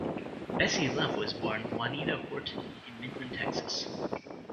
Bessie Love was born Juanita Horton in Midland, Texas.